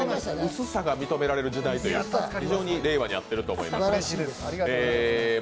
薄さが認められる時代というか、非常に令和に合っていると思います。